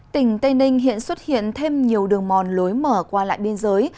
tỉnh tây ninh hiện xuất hiện thêm nhiều đường mòn lối mở qua lại biên giới